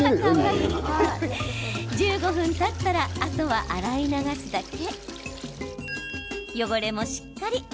１５分たったらあとは洗い流すだけ。